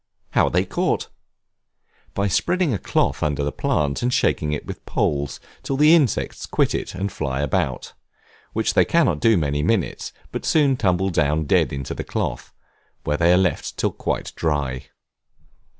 How are they caught? By spreading a cloth under the plant, and shaking it with poles, till the insects quit it and fly about, which they cannot do many minutes, but soon tumble down dead into the cloth; where they are left till quite dry.